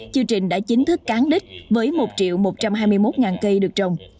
chương trình đã chính thức cán đích với một một trăm hai mươi một cây được trồng